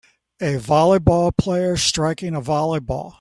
A volleyball player striking a volleyball